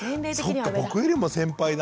そっか僕よりも先輩だ。